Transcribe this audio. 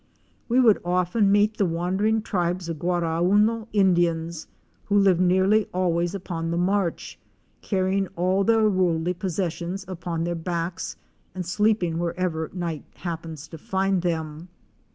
We would often meet the wandering tribes of Guarauno Indians, who live nearly always upon the march, carrying all their worldly possessions upon their backs and sleeping wherever night happens to find them.